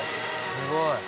すごい。